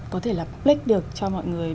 có thể là click được cho mọi người